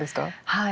はい。